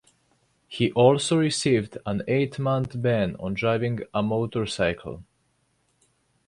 He also received an eight-month ban on driving a motorcycle.